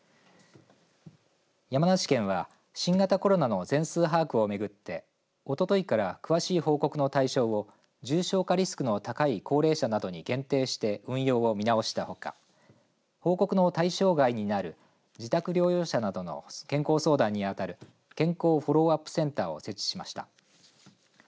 山梨県は、新型コロナの全数把握を巡って、おとといから詳しい報告の対象を重症化リスクの高い高齢者などに限定して運用を見直したほか報告の対象外になる自宅療養者などの健康相談に当たる健康フォローアップセンターを設置しました。